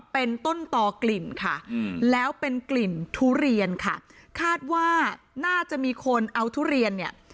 เป็นต้นต่อกลิ่นค่ะแล้วเป็นกลิ่นทุเรียนค่ะคาดว่าน่าจะมีคนเอาทุเรียนเนี่ย